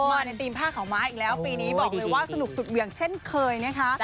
มาในทีมผ้าขาวม้าอีกแล้วปีนี้บอกเลยว่าสนุกสุดเหวี่ยงเช่นเคยนะคะ